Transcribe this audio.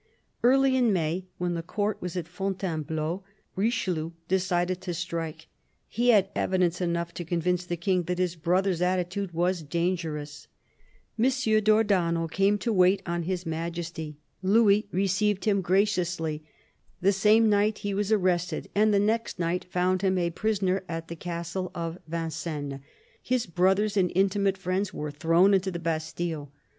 Early in May, when the Court was at Fontainebleau, Richelieu decided to strike ; he had evidence enough to convince the King that his brother's attitude was danger ous. M. d'Ornano came to wait on His Majesty. Louis 1 66 CARDINAL DE RICHELIEU received him graciously. The same night he was arrested, and the next night found him a prisoner at the castle of Vincennes. His brothers and intimate friends were thrown into the Bastille.